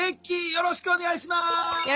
よろしくお願いします。